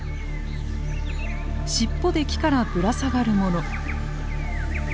尻尾で木からぶら下がる者。